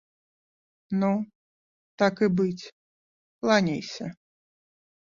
Ну, так і быць, кланяйся.